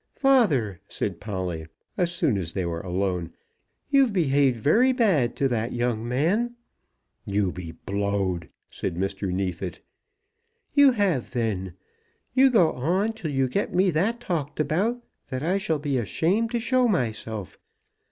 "Father," said Polly, as soon as they were alone, "you've behaved very bad to that young man." "You be blowed," said Mr. Neefit. "You have, then. You'll go on till you get me that talked about that I shall be ashamed to show myself.